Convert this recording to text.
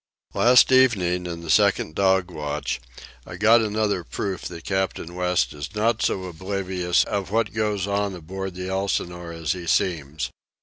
Last evening, in the second dog watch, I got another proof that Captain West is not so oblivious of what goes on aboard the Elsinore as he seems.